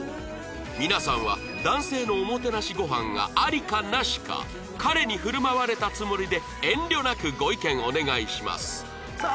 皆さんは男性のおもてなしごはんがありかなしか彼に振る舞われたつもりで遠慮なくご意見お願いしますさあ